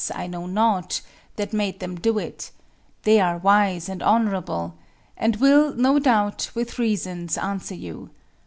I know not, That made them do it; they are wise, and honorable, And will, no doubt, with reasons answer you.